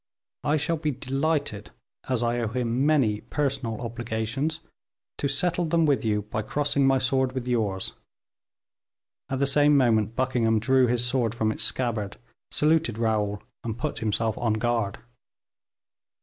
I shall be delighted, as I owe him many personal obligations, to settle them with you, by crossing my sword with yours." At the same moment Buckingham drew his sword from its scabbard, saluted Raoul, and put himself on guard.